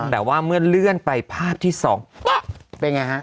แต่ว่าเมื่อเลื่อนไปภาพที่๒ปั๊บเป็นไงฮะ